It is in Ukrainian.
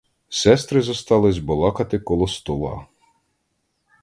Сестри зостались балакати коло стола.